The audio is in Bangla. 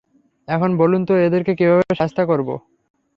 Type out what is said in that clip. এখন বলুন তো এদেরকে কীভাবে শায়েস্তা করব?